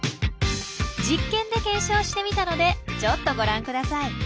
実験で検証してみたのでちょっとご覧ください。